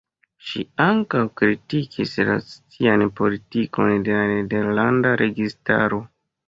Ŝi ankau kritikis la socian politikon de la nederlanda registaro.